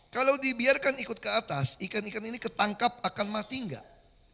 kalau dibiarkan ikut ke atas ikan ikan ini ketangkap akan mati nggak